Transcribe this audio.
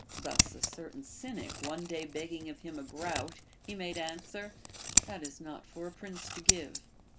Thus a certain Cynic one day beg ging of him a groat, he made answer, That is not for a prince to give.